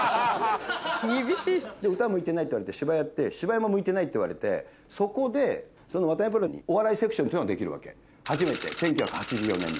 歌向いてないって言われて芝居やって芝居も向いてないって言われてそこで渡辺プロに。っていうのができるわけ初めて１９８４年に。